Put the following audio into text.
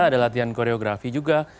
ada latihan koreografi juga